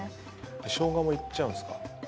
しょうがもいっちゃうんですか？